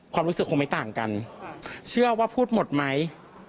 ความรู้สึกคงไม่ต่างกันเชื่อว่าพูดหมดไหม